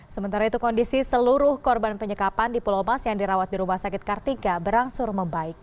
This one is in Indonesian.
sementara itu kondisi seluruh korban penyekapan di pulau mas yang dirawat di rumah sakit kartika berangsur membaik